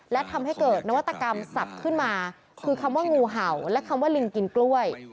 และทำให้เกิดนวัตกรรมสับขึ้นมาคือคำว่างูเห่าและคำว่าลิงกินกล้วย